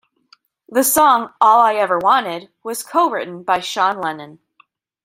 The song "All I Ever Wanted" was co-written by Sean Lennon.